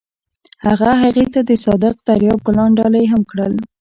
هغه هغې ته د صادق دریاب ګلان ډالۍ هم کړل.